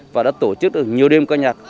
và đã tổ chức được nhiều đêm coi nhạc